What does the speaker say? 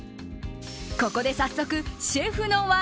ここで、早速シェフの技。